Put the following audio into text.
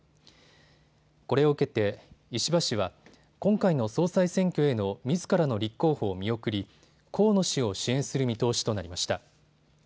これを受けて石破氏は今回の総裁選挙へのみずからの立候補を見送り河野氏を支援する見通しとなりました。